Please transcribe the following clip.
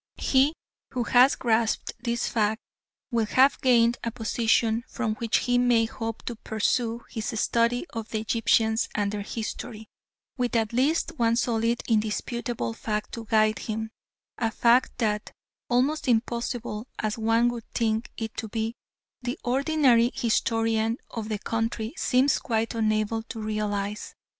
He who has grasped this fact will have gained a position from which he may hope to pursue his study of the Egyptians and their history, with at least one solid, indisputable fact to guide him a fact that, almost impossible as one would think it to be, the ordinary historian of the country seems quite unable to realise.